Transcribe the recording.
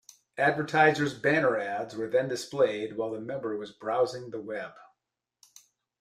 Advertisers' banner ads were then displayed while the member was browsing the web.